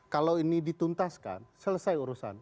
kalau ini dituntaskan selesai urusan